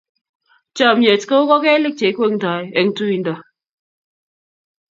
Chomnyet kou kogelik cheikweng'toi eng tuindo.